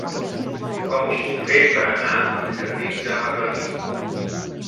Com ho puc fer per anar als jardins de Magalí?